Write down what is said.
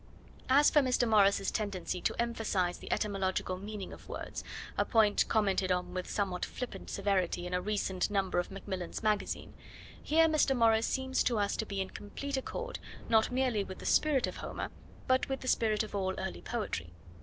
As for Mr. Morris's tendency to emphasise the etymological meaning of words, a point commented on with somewhat flippant severity in a recent number of Macmillan's Magazine, here Mr. Morris seems to us to be in complete accord, not merely with the spirit of Homer, but with the spirit of all early poetry.